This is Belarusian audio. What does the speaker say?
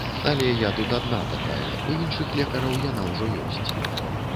Але я тут адна такая, у іншых лекараў яна ўжо ёсць.